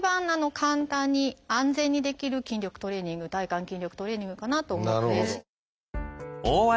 簡単に安全にできる筋力トレーニング体幹筋力トレーニングかなと思うので。